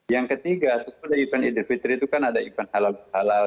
yang ketiga event idul fitri itu kan ada event halal